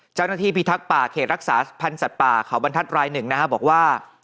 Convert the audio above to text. เจ้าหน้าที่พิทักษ์ป่าเขตรักษาพันธุ์สัตว์ป่าเข่าบรรทัศน์รายหนึ่งนะครับบอกว่า